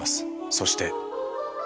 そして。